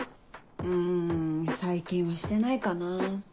うん最近はしてないかなぁ。